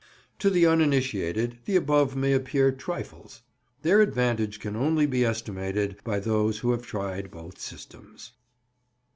To the uninitiated the above may appear trifles; their advantage can only be estimated by those who have tried both systems.